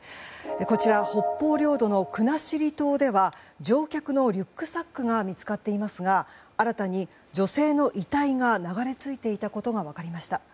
こちら、北方領土の国後島では乗客のリュックサックが見つかっていますが新たに女性の遺体が流れ着いていたことが分かりました。